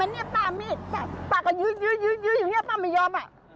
เห็นไหมเนี้ยป้ามีดป้าก็ยื้อยื้อยื้ออยู่เนี้ยป้าไม่ยอมอะ